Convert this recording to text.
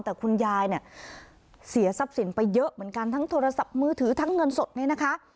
แต่คุณยายเนี่ยเสียทรัพย์สินไปเยอะเหมือนกันทั้งโทรศัพท์มือถือทั้งเงินสดเนี่ยนะคะ